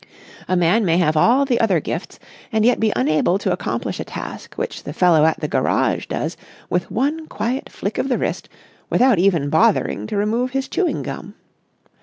A man may have all the other gifts and yet be unable to accomplish a task which the fellow at the garage does with one quiet flick of the wrist without even bothering to remove his chewing gum.